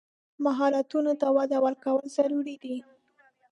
مهارتونو ته وده ورکول ضروري دي.